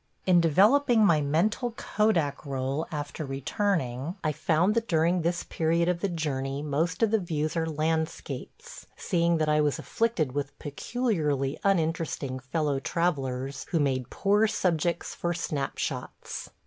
... In developing my mental Kodak roll after returning, I found that during this period of the journey most of the views are landscapes, seeing that I was afflicted with peculiarly uninteresting fellow travellers who made poor subjects for snap shots.